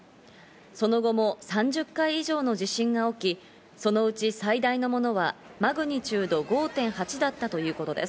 その後も３０回以上の地震が起き、その内、最大のものはマグニチュード５．８だったということです。